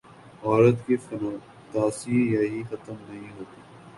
عورت کی فنتاسی یہیں ختم نہیں ہوتی۔